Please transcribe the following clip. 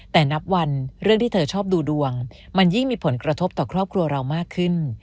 แต่นับวันเรื่องที่เธอชอบดูดวงมันยิ่งมีผลกระทบต่อครอบครัวเรามากขึ้น